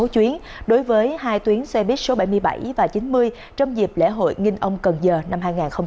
hai mươi sáu chuyến đối với hai tuyến xe buýt số bảy mươi bảy và chín mươi trong dịp lễ hội nghìn ông cần giờ năm hai nghìn hai mươi ba